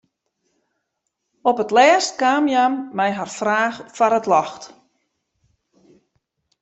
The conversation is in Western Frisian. Op 't lêst kaam hja mei har fraach foar it ljocht.